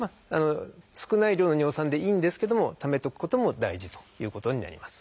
少ない量の尿酸でいいんですけどもためとくことも大事ということになります。